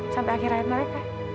sampai akhir rakyat mereka